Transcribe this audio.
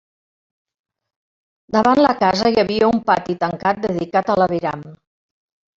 Davant la casa hi havia un pati tancat dedicat a l'aviram.